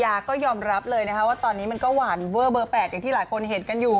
ยาก็ยอมรับเลยนะคะว่าตอนนี้มันก็หวานเวอร์เบอร์๘อย่างที่หลายคนเห็นกันอยู่